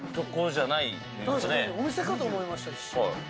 お店かと思いました。